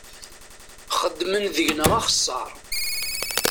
Xedmen deg-neɣ axessar.